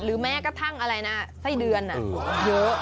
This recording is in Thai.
แม้กระทั่งอะไรนะไส้เดือนเยอะ